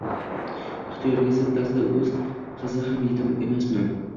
Ixtiyoriga zid tarzda o'z qizi ham yetim emasmi?!